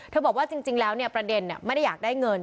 เธอบอกว่าจริงจริงแล้วเนี้ยประเด็นเนี้ยไม่ได้อยากได้เงิน